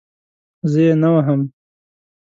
زه یې نه وهم.